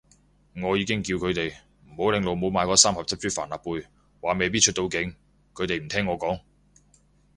我已經叫住佢哋唔好拎老母買嗰三盒汁煮帆立貝，話未必出到境，佢哋唔聽我講